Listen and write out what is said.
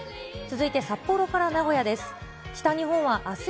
続いて、札幌から名古屋です。